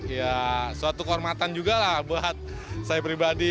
ya suatu kehormatan juga lah buat saya pribadi